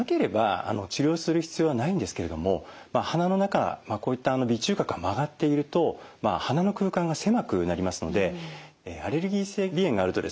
治療する必要はないんですけれども鼻の中こういった鼻中隔が曲がっていると鼻の空間が狭くなりますのでアレルギー性鼻炎があるとですね